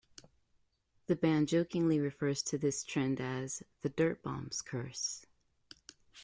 The band jokingly refers to this trend as "The Dirtbombs Curse".